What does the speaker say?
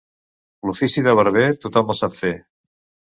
L'ofici de barber, tothom el sap fer.